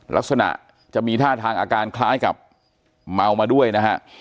ลักษณะจะมีท่าทางอาการคล้ายกับเมามาด้วยนะฮะ